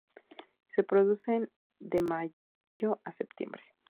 Se reproducen de mayo a septiembre.